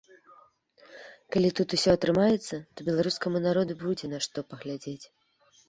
Калі тут усё атрымаецца, то беларускаму народу будзе на што паглядзець.